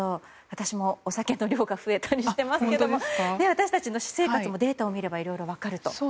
私もお酒の量が増えたりしていますけど私たちの私生活もデータを見ればいろいろ分かると。